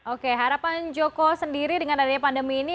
oke harapan joko sendiri dengan adanya pandemi ini